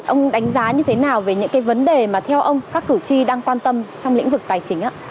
ông đánh giá như thế nào về những cái vấn đề mà theo ông các cử tri đang quan tâm trong lĩnh vực tài chính